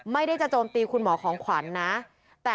ไม่ได้จะโจมตีคุณหมอของขวัญนะ